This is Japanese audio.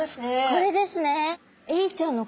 これですね。